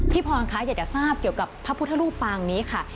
พรคะอยากจะทราบเกี่ยวกับพระพุทธรูปปางนี้ค่ะ